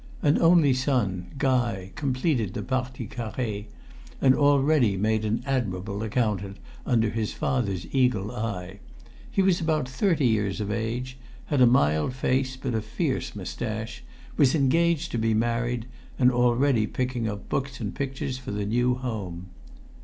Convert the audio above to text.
An only son, Guy, completed the partie carrée, and already made an admirable accountant under his father's eagle eye. He was about thirty years of age, had a mild face but a fierce moustache, was engaged to be married, and already picking up books and pictures for the new home.